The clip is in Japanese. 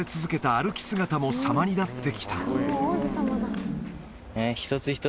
歩き姿もさまになってきた。